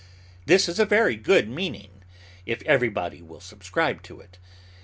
This is a very good meaning, if everybody will subscribe to it.